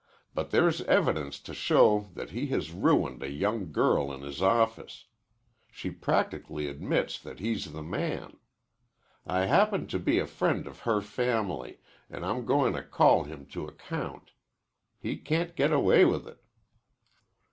"But there's evidence to show that he has ruined a young girl in his office. She practically admits that he's the man. I happen to be a friend of her family, an' I'm goin' to call him to account. He can't get away with it."